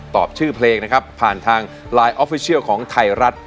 ชื่อเพลงนะครับผ่านทางไลน์ออฟฟิเชียลของไทยรัฐ